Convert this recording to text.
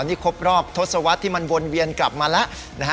นี่ครบรอบทศวรรษที่มันวนเวียนกลับมาแล้วนะฮะ